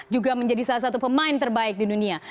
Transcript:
juga menjadi salah satu pemain terbaik di dunia